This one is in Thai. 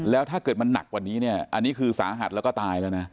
แล้วถ้าเกิดมันหนักกว่านี้เนี่ยอันนี้คือสาหัสแล้วก็ตายแล้วนะ